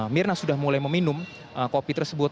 mirna sudah mulai meminum kopi tersebut